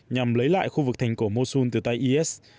nhằm lấy lại khu vực thành phố mosul từ tay is